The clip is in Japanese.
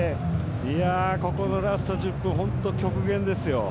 ここのラスト１０分本当に極限ですよ。